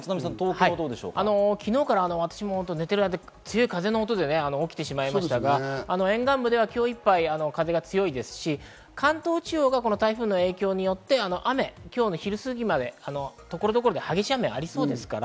昨日から私も寝ている間、強い風の音で起きてしまいましたが、沿岸部では今日いっぱい風が強いですし、関東地方は台風の影響によって、雨、今日の昼過ぎまで所々激しい雨がありそうです。